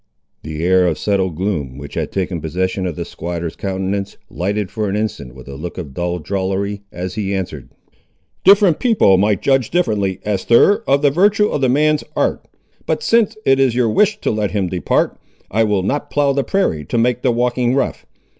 The air of settled gloom, which had taken possession of the squatter's countenance, lighted for an instant with a look of dull drollery, as he answered— "Different people might judge differently, Esther, of the virtue of the man's art. But sin' it is your wish to let him depart, I will not plough the prairie to make the walking rough.